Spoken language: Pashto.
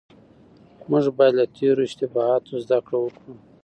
موږ بايد له تېرو اشتباهاتو زده کړه وکړو.